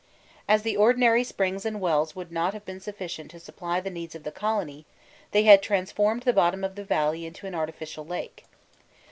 As the ordinary springs and wells would not have been sufficient to supply the needs of the colony, they had transformed the bottom of the valley into an artificial lake.